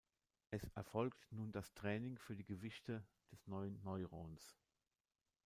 Es erfolgt nun das Training für die Gewichte des neuen Neurons.